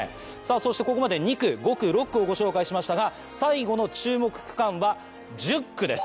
そしてここまで２区５区６区をご紹介しましたが最後の注目区間は１０区です。